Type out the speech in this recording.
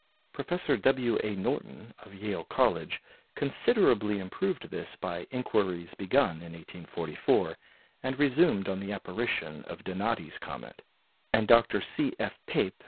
Professor W. A. Norton, of Yale College, considerably improved this by inquiries begun in 1844, and resumed on the apparition of Donati's comet; and Dr. C. F.